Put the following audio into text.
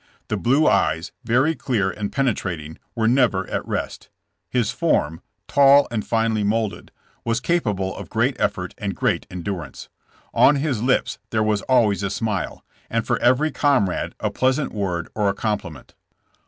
*'The blue eyes — very clear and penetrat ing — were never at rest. His form — tall and finely moulded— was capable of great effort and great en '' durance. On his lips there was always a smile, and for every comrade a pleasant word or a compliment.